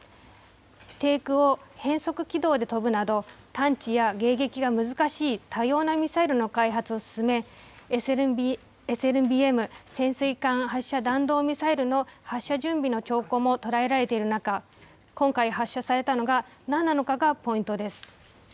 低空を変則軌道で飛ぶなど、探知や迎撃が難しい多様なミサイルの開発を進め、ＳＬＢＭ・潜水艦発射弾道ミサイルの発射準備の兆候も捉えられている中、今回発射されたのが、なんなのかがポイントです。